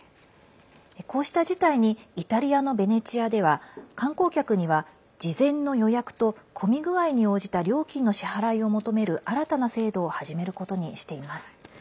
こうした事態にイタリアのベネチアでは観光客には事前の予約と混み具合に応じた料金の支払いを求める新たな制度を始めることにしています。